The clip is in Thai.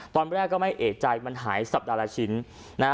ตอนแรกก็ไม่เอกใจมันหายสัปดาห์ละชิ้นนะฮะ